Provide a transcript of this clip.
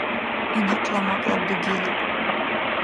ГӀиникъла мякьлаб дугели